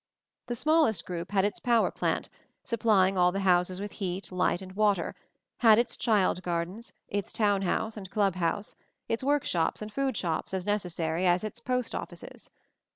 { The smallest group had its power plant, • supplying all the houses with heat, light and water, had its child gardens, its Town House and Club House, its workshops and f oodshops as necessary as its postoffices.